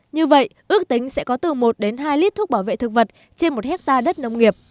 như vậy ước tính sẽ có từ một đến hai lít thuốc bảo vệ thực vật trên một hectare đất nông nghiệp